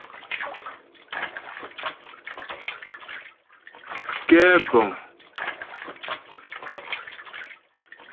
Kɛ́bə̀ŋ.